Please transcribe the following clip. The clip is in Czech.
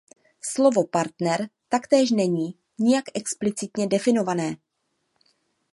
Slovo „partner“ taktéž není nijak explicitně definované.